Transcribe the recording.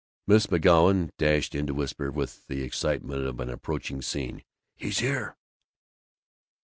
Miss McGoun dashed in to whisper, with the excitement of an approaching scene, "He's here!"